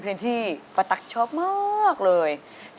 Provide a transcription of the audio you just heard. ส่งที่คืน